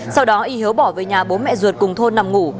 sau đó y hiếu bỏ về nhà bố mẹ ruột cùng thôn nằm ngủ